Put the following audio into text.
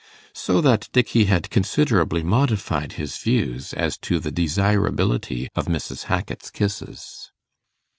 So that Dickey had considerably modified his views as to the desirability of Mrs. Hackit's kisses.